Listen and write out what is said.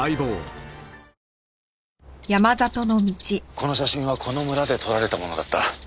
この写真はこの村で撮られたものだった。